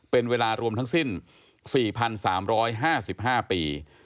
เป็นเวลารวมทั้งสิ้น๔๓๕๕ปี